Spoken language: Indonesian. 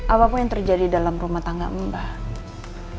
apapun yang terjadi dalam rumah tangga mbah